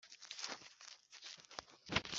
Muri ba Mikore